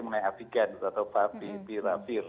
mengenai afigan atau papi pira vir